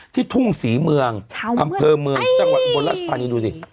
ทุ่งศรีเมืองอำเภอเมืองจังหวัดอุบลราชธานีดูสิ